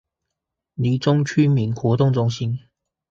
黎忠區民活動中心